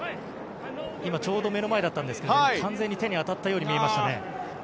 今、ちょうど目の前だったんですけど完全に手に当たったように見えました。